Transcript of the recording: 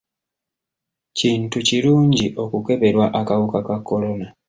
Kintu kirungi okukeberwa akawuka ka kolona.